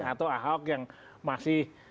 atau ahok yang masih